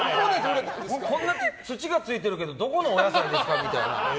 こんな土がついてるけどどこのお野菜ですかみたいな。